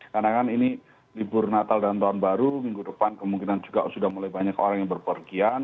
karena kan ini libur natal dan tahun baru minggu depan kemungkinan juga sudah mulai banyak orang yang berpergian